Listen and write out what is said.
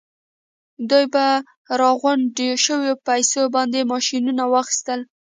دوی په راغونډو شويو پیسو باندې ماشينونه واخيستل.